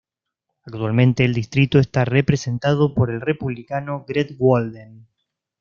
Actualmente el distrito está representado por el Republicano Greg Walden.